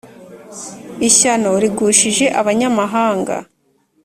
ishyano rigushije abanyamahanga